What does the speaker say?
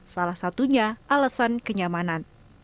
salah satunya alasan kenyamanan